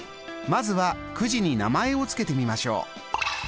まずはくじに名前をつけてみましょう。